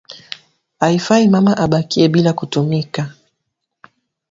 Aifai mama abakiye bila ku tumika